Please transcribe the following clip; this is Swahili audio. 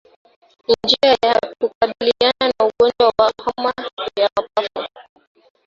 Njia ya kukabiliana na ugonjwa wa homa ya mapafu